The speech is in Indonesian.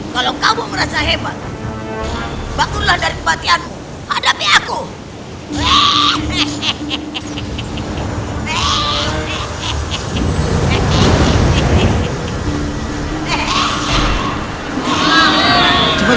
kalau kamu merasa hebat